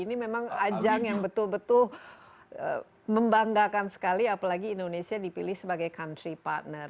ini memang ajang yang betul betul membanggakan sekali apalagi indonesia dipilih sebagai country partner